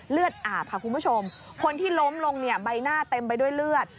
เลือดอาบค่ะคุณผู้ชมคนที่ล้มลงเนี่ยใบหน้าเต็มไปด้วยเลือด